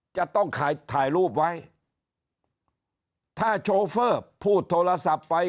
จะต้องถ่ายถ่ายรูปไว้ถ้าโชเฟอร์พูดโทรศัพท์ไป